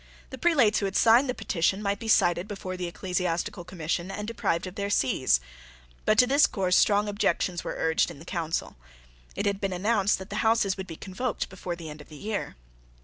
The prelates who had signed the petition might be cited before the Ecclesiastical Commission and deprived of their sees. But to this course strong objections were urged in Council. It had been announced that the Houses would be convoked before the end of the year.